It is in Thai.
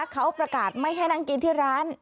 เขาประกาศไม่ให้นั่งกินที่ร้าน